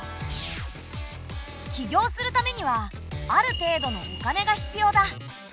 起業するためにはある程度のお金が必要だ。